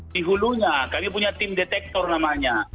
di hulunya kami punya tim detektor namanya